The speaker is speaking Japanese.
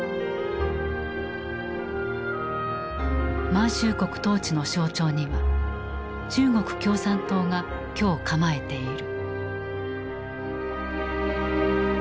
満州国統治の象徴には中国共産党が居を構えている。